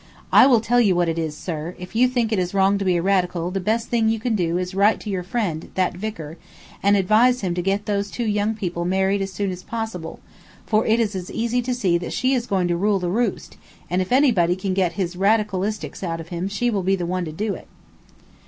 "I will tell you what it is, sir," said I, "if you think it is wrong to be a Radical the best thing you can do is to write to your friend, that vicar, and advise him to get those two young people married as soon as possible, for it is easy to see that she is going to rule the roost, and if anybody can get his Radicalistics out of him she will be the one to do it."